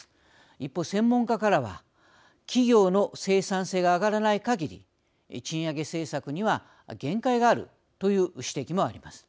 一方、専門家からは企業の生産性が上がらないかぎり賃上げ政策には限界があるという指摘もあります。